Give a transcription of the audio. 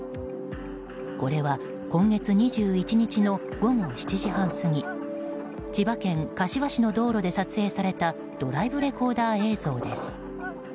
これは今月２１日の午後７時半過ぎ千葉県柏市の道路で撮影されたドライブレコーダー映像です。